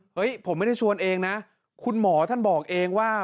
ผมไม่ได้ชวนเองนะคุณหมอท่านบอกเองว่า